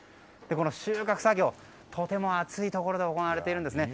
収穫作業、とても暑いところで行われているんですね。